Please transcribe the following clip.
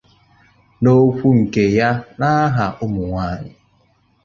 N'okwu nke ya n'aha ụmụnwaanyị